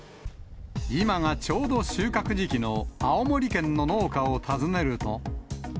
今がちょうど収穫時期の青森県の農家を訪ねると。